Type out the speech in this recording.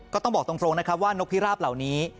ก็ต้องบอกตรงนะครับว่านกพิราบเหล่านี้